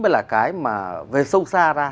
mới là cái mà về sâu xa ra